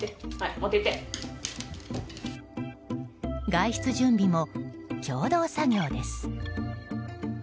外出準備も共同作業です。